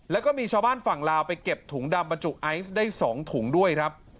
แล้วก็มีชาวบ้านฝั่งลาวไปเก็บถุงดำบรรจุไอซ์ได้๒ถุงด้วยครับ